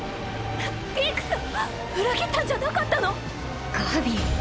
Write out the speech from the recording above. ピークさん⁉裏切ったんじゃなかったの⁉ガビ